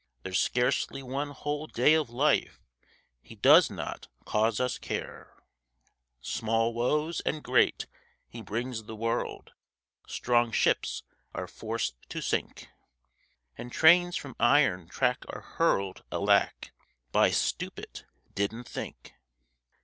There's scarcely one whole day of life He does not cause us care; Small woes and great he brings the world, Strong ships are forced to sink, And trains from iron track are hurled, alack, By stupid 'Didn't think.'